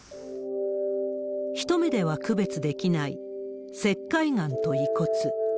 一目では区別できない、石灰岩と遺骨。